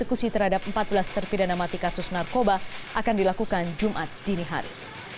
eksekusi terhadap empat belas terpidana mati kasus narkoba akan dilakukan jumat dini hari